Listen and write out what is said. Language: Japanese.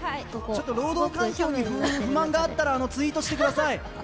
ちょっと労働環境に不満があったらツイートしてください